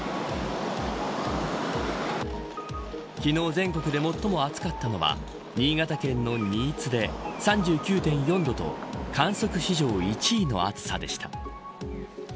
昨日全国で最も暑かったのは新潟県の新津で３９．４度と観測史上１位の暑さでした。